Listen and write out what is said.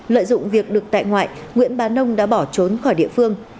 lợi dụng việc được tại ngoại nguyễn bá nông đã bỏ trốn khỏi địa phương